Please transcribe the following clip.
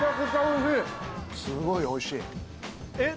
すごいおいしい。